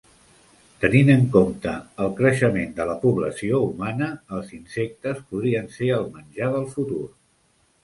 Tenint en compte el creixement de la població humana, els insectes podrien ser el menjar del futur.